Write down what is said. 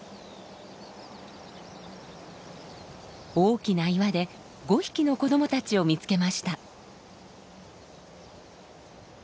大きな岩で５匹の子どもたちを見つけました。